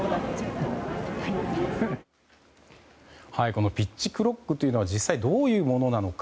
このピッチクロックというのはどういうものなのか。